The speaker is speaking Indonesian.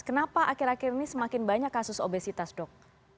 kenapa akhir akhir ini semakin banyak kasus obesitas dok